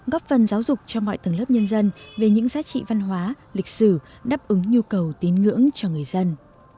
góp phần giáo dục cho mọi tầng lớp nhân dân về những giá trị văn hóa lịch sử đáp ứng nhu cầu tín ngưỡng cho người dân